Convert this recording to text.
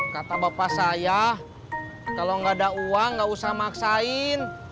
kata bapak saya kalau nggak ada uang nggak usah maksain